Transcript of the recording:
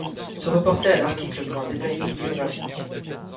Se reporter à l'article pour un détail bibliographique.